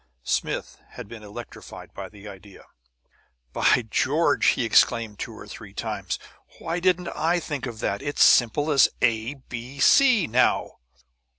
Smith had been electrified by the idea. "By George!" he exclaimed two or three times. "Why didn't I think of that? It's simple as A, B, C now!"